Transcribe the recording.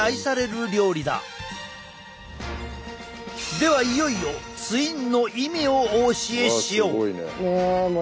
ではいよいよツインの意味をお教えしよう。